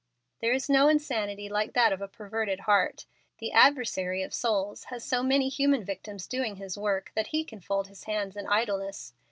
There is no insanity like that of a perverted heart. The adversary of souls has so many human victims doing his work that he can fold his hands in idleness.